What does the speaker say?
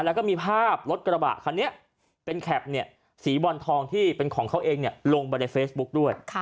แล้วก็มีภาพรถกระบะคันนี้เป็นแคปสีบอลทองที่เป็นของเขาเองลงไปในเฟซบุ๊กด้วย